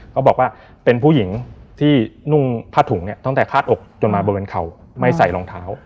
เขาบอกว่าเป็นผู้หญิงที่นุ่งผ้าถุงเนี่ยตั้งแต่คาดอกจนมาบริเวณเข่าไม่ใส่รองเท้า